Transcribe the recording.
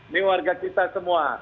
nih warga kita semua